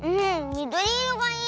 みどりいろがいい！